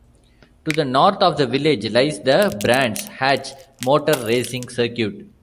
To the north of the village lies the Brands Hatch motor racing circuit.